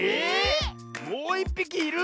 もういっぴきいる⁉